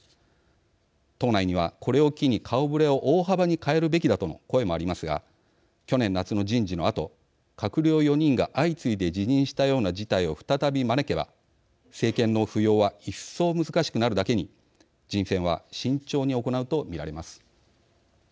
党内には、これを機に顔触れを大幅に替えるべきだとの声もありますが去年夏の人事のあと閣僚４人が相次いで辞任したような事態を再び招けば、政権の浮揚は一層、難しくなるだけに人選は慎重に行うと見られます。